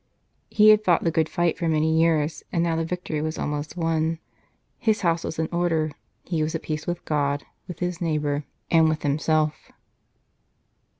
He had fought the good fight for many years, and now the victory was almost won. His house was in order, he was at peace with God, with his neighbour, and with himself.